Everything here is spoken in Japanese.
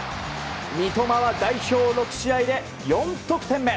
三笘は代表６試合で４得点目。